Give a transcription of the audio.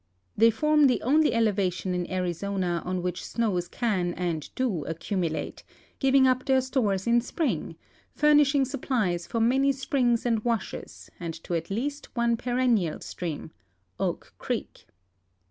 They form the only elevation in Arizona on which snows can and do accumulate, giving up their stores in spring, furnishing supplies for many springs and wa.shes and to at least one perennial stream— Oak creek.